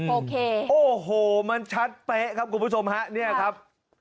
โอเคโอ้โหมันชัดเป๊ะครับคุณผู้ชมฮะเนี่ยครับ